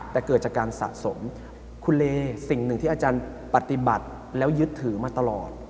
แต่เกิดจากการสะสมคุณเลสิ่งหนึ่งที่อาจารย์ปฏิบัติแล้วยึดถือมาตลอด